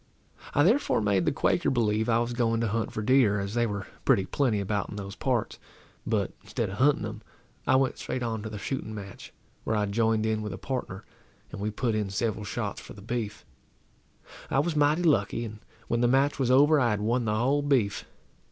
I therefore made the Quaker believe I was going to hunt for deer, as they were pretty plenty about in those parts; but, instead of hunting them, I went straight on to the shooting match, where I joined in with a partner, and we put in several shots for the beef. I was mighty lucky, and when the match was over I had won the whole beef.